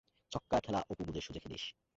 -ছক্কার খেলা অপু বুঝে সুজে খেলিস?